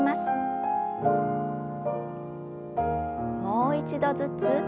もう一度ずつ。